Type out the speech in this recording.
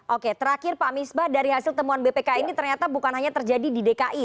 oke terakhir pak misbah dari hasil temuan bpk ini ternyata bukan hanya terjadi di dki